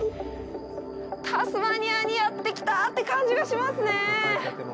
タスマニアにやってきたー！って感じがしますね。